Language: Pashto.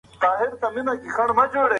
انا به سبا بیا لمونځ کوي.